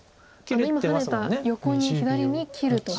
今ハネた横に左に切ると。